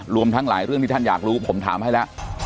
รวมทั้งหลายเรื่องที่ท่านอยากรู้ผมถามให้แล้ว